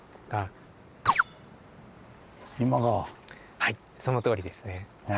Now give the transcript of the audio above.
はいそのとおりですね。